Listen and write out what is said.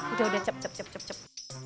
udah udah cep cep cep